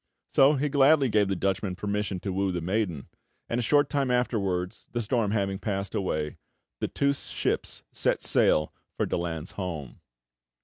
So he gladly gave the Dutchman permission to woo the maiden; and a short time afterwards, the storm having passed away, the two ships set sail for Daland's home.